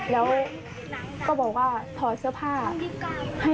แล้วก็บอกว่าถอดเสื้อผ้า